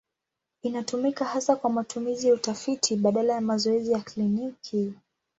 Inatumika hasa kwa matumizi ya utafiti badala ya mazoezi ya kliniki.